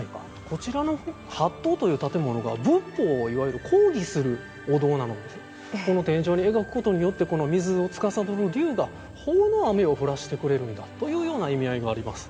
こちらの法堂という建物が仏法をいわゆる講義するお堂なのでこの天井に描くことによって水をつかさどる龍が法の雨を降らしてくれるんだというような意味合いがあります。